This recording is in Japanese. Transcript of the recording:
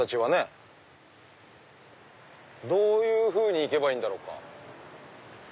あどういうふうに行けばいいんだろうか。